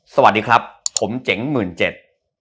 สวัสดีครับผมเจ๋งหมื่นเจ็ด